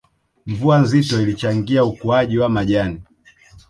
Mvua nzito ilichangia ukuaji wa majani